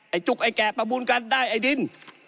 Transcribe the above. จุกไอ้แกะประมูลกันได้ไอ้ดิน